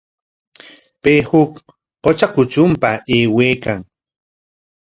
Pay huk qutra kutrunpa aywaykan.